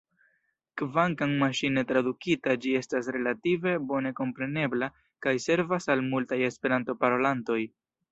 Kvankam maŝine tradukita ĝi estas relative bone komprenebla kaj servas al multaj Esperanto-parolantoj.